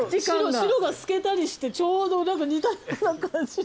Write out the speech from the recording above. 白が透けたりしてちょうど似たような感じに。